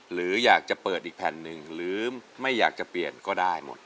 หรืออยากจะเปิดอีกแผ่นหนึ่งหรือไม่อยากจะเปลี่ยนก็ได้หมด